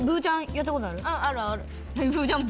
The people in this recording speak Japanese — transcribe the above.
やったことある？